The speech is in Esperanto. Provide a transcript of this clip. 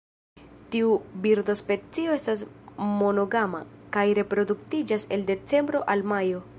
Tiu birdospecio estas monogama, kaj reproduktiĝas el decembro al majo.